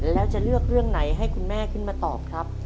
แล้วจะเลือกเรื่องไหนให้คุณแม่ขึ้นมาตอบครับ